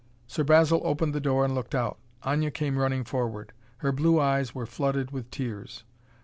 Sir Basil opened the door and looked out. Aña came running forward. Her blue eyes were flooded with tears.